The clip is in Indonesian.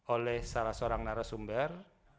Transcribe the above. oleh salah seorang narasumber